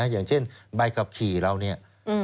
อย่างเช่นใบขับขี่เราเนี่ย